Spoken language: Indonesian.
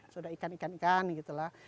sudah ikan ikan ikan gitu lah